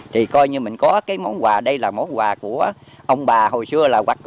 thì coi như mình có cái món quà đây là món quà của ông bà hồi xưa